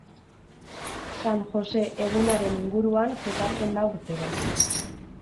San Jose egunaren inguruan jokatzen da urtero.